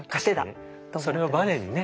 それをバネにね。